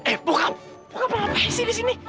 eh bokap bokap ngapain sih disini